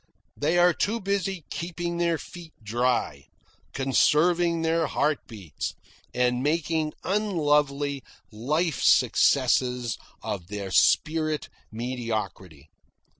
They are too busy keeping their feet dry, conserving their heart beats, and making unlovely life successes of their spirit mediocrity.